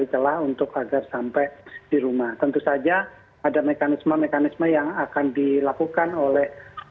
jours pulang dari oder smooth